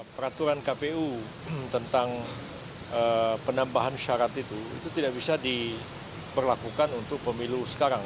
peraturan kpu tentang penambahan syarat itu itu tidak bisa diperlakukan untuk pemilu sekarang